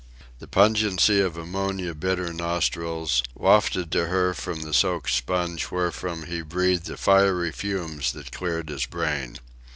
The pungency of ammonia bit her nostrils, wafted to her from the soaked sponge wherefrom he breathed the fiery fumes that cleared his brain.